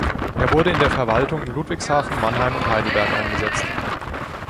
Er wurde in der Verwaltung in Ludwigshafen, Mannheim und Heidelberg eingesetzt.